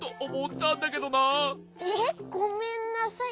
えっごめんなさい。